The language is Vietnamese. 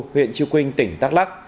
huyện trư quynh tỉnh đắk lắc